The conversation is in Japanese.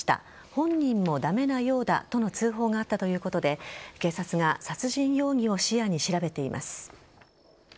本人も駄目なようだとの通報があったということで警察が殺人容疑を視野に調べています。